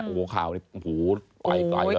โอ้โหข่าวเนี่ยโอ้โหไปกลายเลย